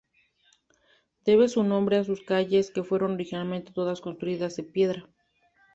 Debe su nombre a sus calles que fueron originalmente todas construidas de piedras.